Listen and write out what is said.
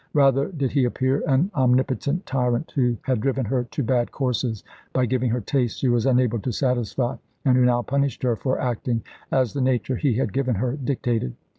Rather did He appear an omnipotent tyrant, who had driven her to bad courses by giving her tastes she was unable to satisfy, and who now punished her for acting as the nature He had given her dictated.